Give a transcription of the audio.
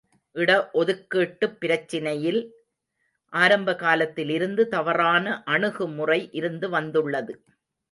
இட ஒதுக்கீட்டுப் பிரச்சினையில் ஆரம்பகாலத்திலிருந்து தவறான அணுகுமுறை இருந்து வந்துள்ளது.